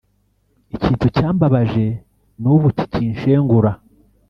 “ikintu cyambabaje n’ubu kikinshegesha